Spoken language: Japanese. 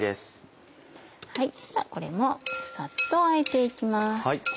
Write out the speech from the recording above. これもサッとあえて行きます。